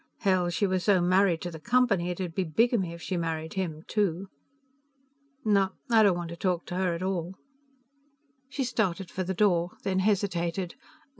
Hell, she was so married to the Company it'd be bigamy if she married him too. "No, I don't want to talk to her at all." She started for the door, then hesitated.